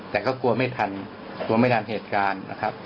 แต่ก็กลัวไม่ทันกลัวไม่ทันเหตุการณ์นะครับ